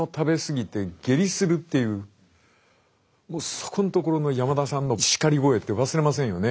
そこんところの山田さんの叱り声って忘れませんよね。